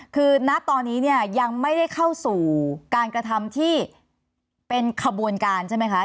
คือณตอนนี้เนี่ยยังไม่ได้เข้าสู่การกระทำที่เป็นขบวนการใช่ไหมคะ